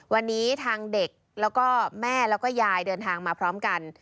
วันนี้ทางเด็กแล้วก็แม่แล้วก็ยายเดินทางมาพร้อมกัน